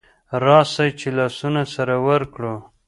راسئ چي لاسونه سره ورکړو